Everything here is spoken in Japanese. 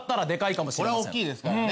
これは大きいですからね。